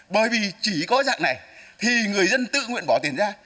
bởi vì chỉ có dạng này thì người dân tự nguyện bỏ tiền ra